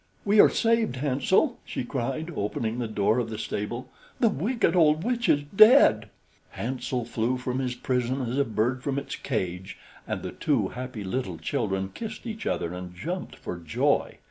"We are saved, Hansel," she cried, opening the door of the stable, "the wicked old witch is dead." Hansel flew from his prison as a bird from its cage, and the two happy little children kissed each other and jumped for joy.